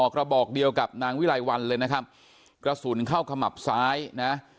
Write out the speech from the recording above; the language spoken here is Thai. กระบอกเดียวกับนางวิไลวันเลยนะครับกระสุนเข้าขมับซ้ายนะ